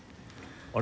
あれ？